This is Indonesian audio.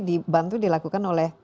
dibantu dilakukan oleh